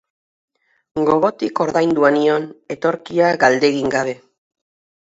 Gogotik ordaindua nion, etorkia galdegin gabe.